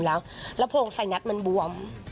แล้วโพรงไซนัสมันบวม